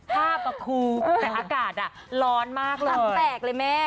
ภาพอ่ะคูแต่อากาศอ่ะร้อนมากเลยสักแปลกเลยแม่